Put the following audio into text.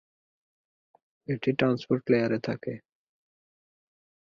এটি transport layer এ থাকে।